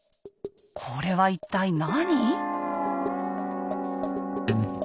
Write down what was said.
これは一体何？